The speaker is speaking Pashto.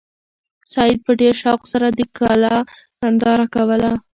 سعید په ډېر شوق سره د کلا ننداره کوله.